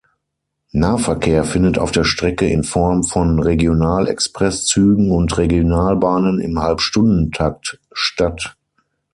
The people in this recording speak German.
Nahverkehr findet auf der Strecke in Form von Regionalexpress-Zügen und Regionalbahnen im Halbstundentakt statt.